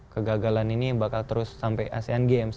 kegagalan ini bakal terus sampai asean games